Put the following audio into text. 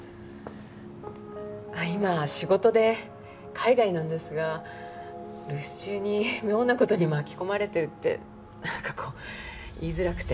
今仕事で海外なんですが留守中に妙な事に巻き込まれてるってなんかこう言いづらくて。